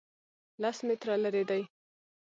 لس متره لرې دی